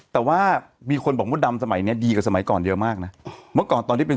แต่ว่ามีคนบอกมดดำสมัยเนี้ยดีกว่าสมัยก่อนเยอะมากนะเมื่อก่อนตอนที่เป็น